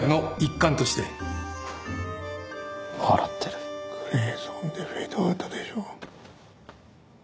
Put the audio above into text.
グレーゾーンでフェードアウトでしょ。